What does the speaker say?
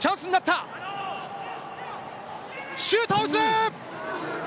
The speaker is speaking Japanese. シュートを打つ！